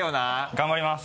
頑張ります。